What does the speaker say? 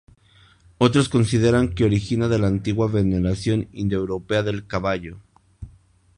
Otros consideran que origina de la antigua veneración indo-europea del caballo.